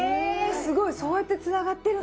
すごいそうやってつながってるんだ。